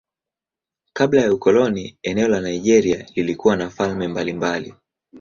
Kabla ya ukoloni eneo la Nigeria lilikuwa na falme mbalimbali.